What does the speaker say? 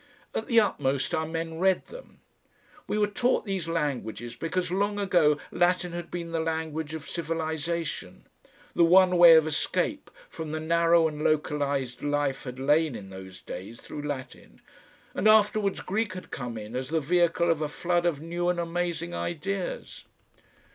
At the utmost our men read them. We were taught these languages because long ago Latin had been the language of civilisation; the one way of escape from the narrow and localised life had lain in those days through Latin, and afterwards Greek had come in as the vehicle of a flood of new and amazing ideas.